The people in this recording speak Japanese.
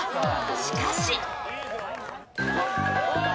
しかし。